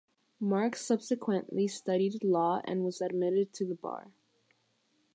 Marks subsequently studied law and was admitted to the bar.